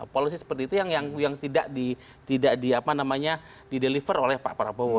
polisinya seperti itu yang tidak di deliver oleh pak prabowo